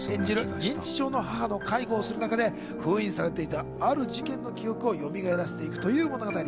認知症の母の介護をする中で封印されていたある事件の記憶をよみがえらせていくという物語。